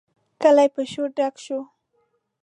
کلی پر شور ډک شو.